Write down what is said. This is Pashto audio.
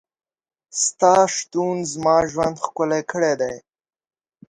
ستا شتون زما ژوند ښکلی کړی دی.